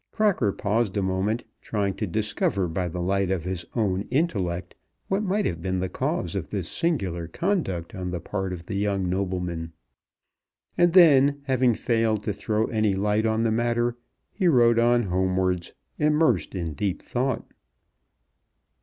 Crocker paused a moment, trying to discover by the light of his own intellect what might have been the cause of this singular conduct on the part of the young nobleman, and then, having failed to throw any light on the matter, he rode on homewards, immersed in deep thought.